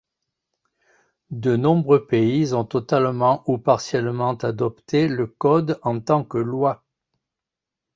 De nombreux pays ont totalement ou partiellement adopté le Code en tant que loi.